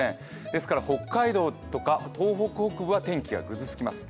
ですから北海道とか東北辺りは天気がぐずつきます。